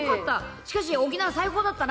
しかし、沖縄、最高だったな。